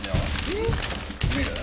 えっ？